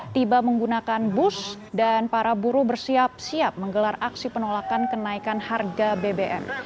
tiba menggunakan bus dan para buruh bersiap siap menggelar aksi penolakan kenaikan harga bbm